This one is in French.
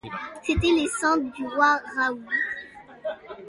C’étaient les cendres du roi Raoul.